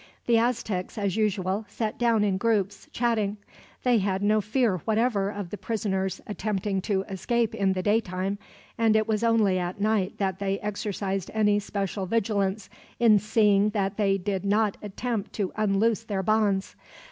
The Aztecs, as usual, sat down in groups, chatting. They had no fear whatever of the prisoners attempting to escape in the daytime, and it was only at night that they exercised any special vigilance in seeing that they did not attempt to unloose their bonds.